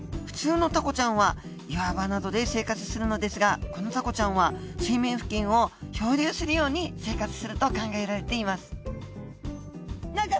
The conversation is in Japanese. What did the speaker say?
普通のタコちゃんは岩場などで生活するのですがこのタコちゃんは水面付近を漂流するように生活すると考えられています何？